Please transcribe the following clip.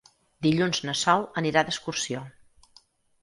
Dilluns na Sol anirà d'excursió.